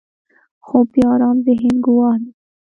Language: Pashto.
خوب د آرام ذهن ګواه دی